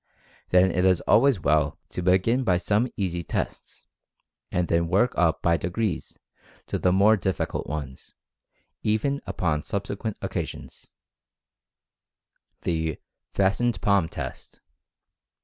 Then it is always well to begin by these easy tests, and then work up by degrees to the more difficult ones, even upon subsequent occasions. 102 Mental Fascination THE "FASTENED PALM" TEST.